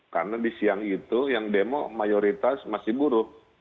karena di siang itu yang demo mayoritas masih buruk